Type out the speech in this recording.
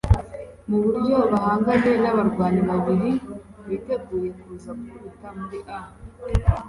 muburyo bahanganye, nkabanywanyi babiri biteguye kuza gukubita muri a